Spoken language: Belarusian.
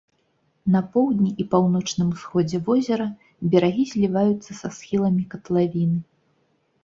На поўдні і паўночным усходзе возера берагі зліваюцца са схіламі катлавіны.